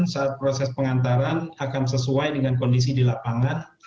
saat proses pengantaran akan sesuai dengan kondisi di lapangan